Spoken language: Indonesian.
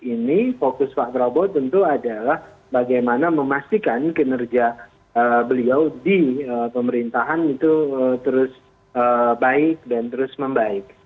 ini fokus pak prabowo tentu adalah bagaimana memastikan kinerja beliau di pemerintahan itu terus baik dan terus membaik